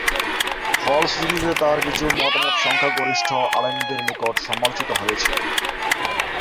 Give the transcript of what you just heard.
ফলশ্রুতিতে তার কিছু মতামত সংখ্যাগরিষ্ঠ আলেমদের নিকট সমালোচিত হয়েছে।